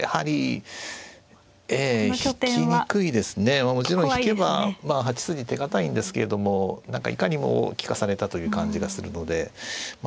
まあもちろん引けば８筋手堅いんですけれども何かいかにも利かされたという感じがするのでまあ